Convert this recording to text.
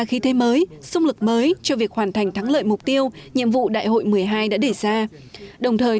khí thế mới sung lực mới cho việc hoàn thành thắng lợi mục tiêu nhiệm vụ đại hội một mươi hai đã đề ra đồng thời